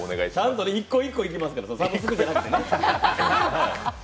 １個１個行きますから、サブスクじゃなくてね。